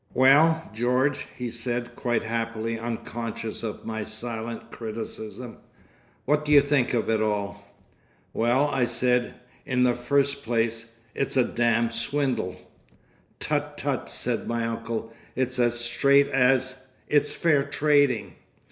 "Well, George!" he said, quite happily unconscious of my silent criticism, "what do you think of it all?" "Well," I said, "in the first place—it's a damned swindle!" "Tut! tut!" said my uncle. "It's as straight as—It's fair trading!"